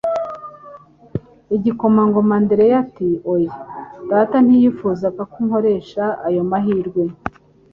Igikomangoma Andereya ati: "Oya, data ntiyifuzaga ko nkoresha ayo mahirwe.